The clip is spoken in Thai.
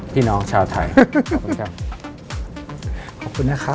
พี่น้องชาวไทขอบคุณครับ